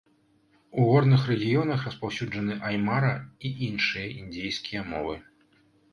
У горных рэгіёнах распаўсюджаны аймара і іншыя індзейскія мовы.